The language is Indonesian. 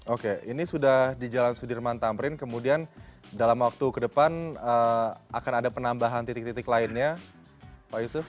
oke ini sudah di jalan sudirman tamrin kemudian dalam waktu ke depan akan ada penambahan titik titik lainnya pak yusuf